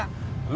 oh gitu ya